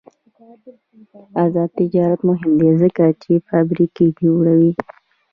آزاد تجارت مهم دی ځکه چې فابریکې جوړوي.